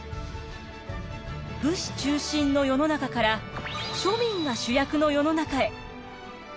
武士中心の世の中から庶民が主役の世の中へ。